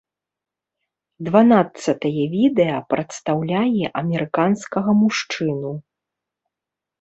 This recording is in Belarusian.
Дванаццатае відэа прадстаўляе амерыканскага мужчыну.